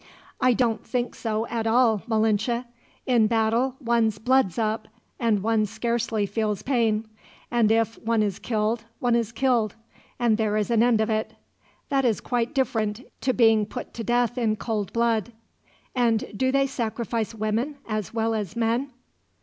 "I don't think so at all, Malinche. In battle one's blood's up, and one scarcely feels pain; and if one is killed one is killed, and there is an end of it. That is quite different to being put to death in cold blood. And do they sacrifice women, as well as men?"